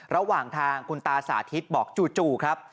ระหว่างทางคุณตาสาธิตบอกจู่ครับ